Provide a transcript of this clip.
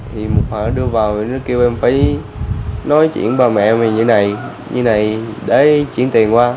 thì một hồi nó đưa vào nó kêu em phải nói chuyện với bà mẹ mình như này như này để chuyển tiền qua